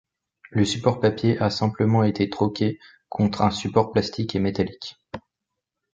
Le support papier a simplement été troqué contre un support plastique et métallique.